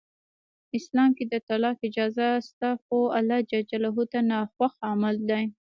اسلام کې د طلاق اجازه شته خو الله ج ته ناخوښ عمل دی.